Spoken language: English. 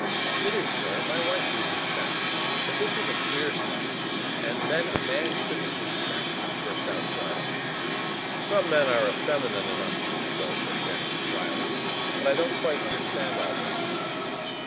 "It is, sir. My wife uses scent. But this was a queer smell. And then a man shouldn't use scent," burst out Drudge. "Some men are effeminate enough to do so," said Jennings drily. "But I don't quite understand all this."